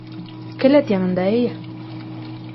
Келәт янында, эйе.